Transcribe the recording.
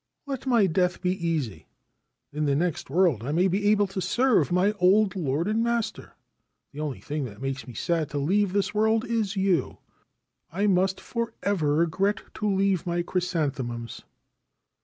Let my death be easy. In the next world I may be able to serve my old lord and master. The only thing that makes me sad to leave this world is you : I must for ever regret to leave my chrysanthemums